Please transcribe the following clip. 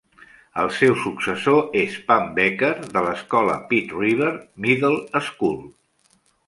El seu successor és Pam Becker, de l'escola Pitt River Middle School.